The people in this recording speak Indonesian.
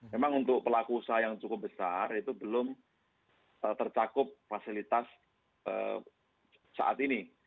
memang untuk pelaku usaha yang cukup besar itu belum tercakup fasilitas saat ini